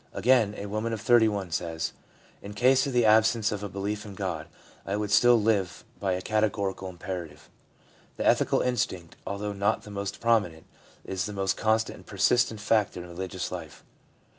Again, a woman of 31 says: ' In case of the absence of a belief in God, I would still live by a categorical imperative.' The ethical instinct^ although not the most prominent > is the most con stant and persistent factor in the religious life.